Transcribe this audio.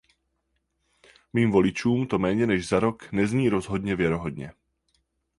Mým voličům to méně než za rok nezní rozhodně věrohodně.